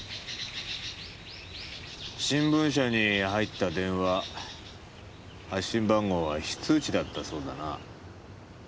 新聞社に入った電話発信番号は非通知だったそうだな。